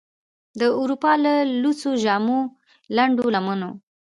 د اروپا له لوڅو جامو، لنډو لمنو،